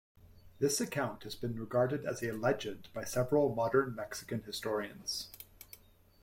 This account has been regarded as a legend by several modern Mexican historians.